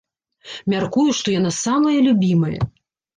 Мяркую, што яна самая любімая.